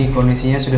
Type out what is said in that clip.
mau terapin sesuatu ya